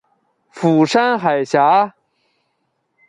釜山海峡。